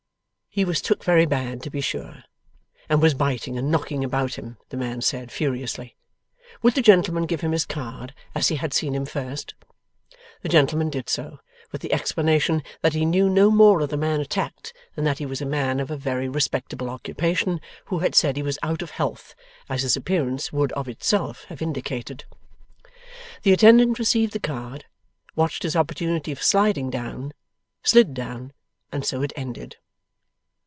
He was took very bad to be sure, and was biting and knocking about him (the man said) furiously. Would the gentleman give him his card, as he had seen him first? The gentleman did so, with the explanation that he knew no more of the man attacked than that he was a man of a very respectable occupation, who had said he was out of health, as his appearance would of itself have indicated. The attendant received the card, watched his opportunity for sliding down, slid down, and so it ended.